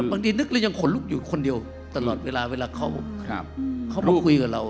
ดีนึกแล้วยังขนลุกอยู่คนเดียวตลอดเวลาเวลาเขามาคุยกับเรา